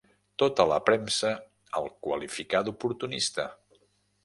Tota la premsa el qualificà d'oportunista.